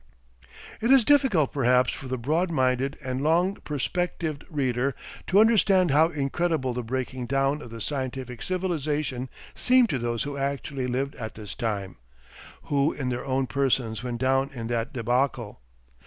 It is difficult perhaps for the broad minded and long perspectived reader to understand how incredible the breaking down of the scientific civilisation seemed to those who actually lived at this time, who in their own persons went down in that debacle.